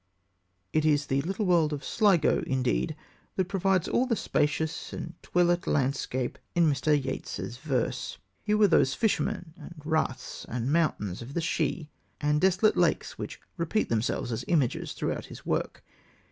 It is the little world of Sligo, indeed, that provides all the spacious and twilit landscape in Mr. Yeats's verse. Here were those fishermen and raths and mountains of the Sidhe and desolate lakes which repeat themselves as images through his work.